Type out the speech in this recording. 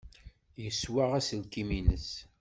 Yeswaɣ aselkim-nnes.